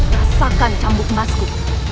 rasakan cambuk masku